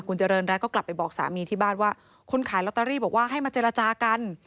คุณเจริญรัฐก็กลับไปบอกสามีที่บ้านว่าคนขายลอตเตอรี่บอกว่าให้มาเจรจากัน